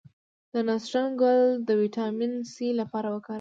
د نسترن ګل د ویټامین سي لپاره وکاروئ